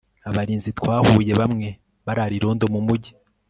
abarinzi twahuye, bamwe barara irondo mu mugi